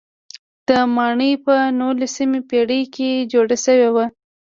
دا ماڼۍ په نولسمې پېړۍ کې جوړه شوې وه.